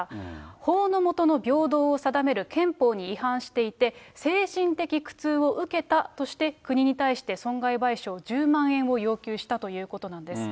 法の下の平等を定める憲法に違反していて、精神的苦痛を受けたとして、国に対して損害賠償１０万円を要求したということなんです。